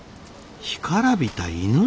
「干からびた犬」？